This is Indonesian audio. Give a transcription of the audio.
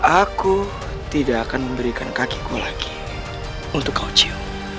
aku tidak akan memberikan kakiku lagi untuk kau cium